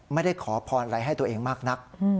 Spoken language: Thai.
ไม่ได้ขอพรอะไรให้ตัวเองมากนัก